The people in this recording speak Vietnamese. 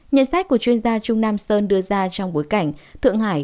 nhận xét của chuyên gia trung nam sơn đưa ra trong bối cảnh thượng hải